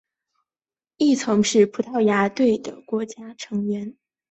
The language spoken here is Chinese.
亦曾是葡萄牙国家队成员。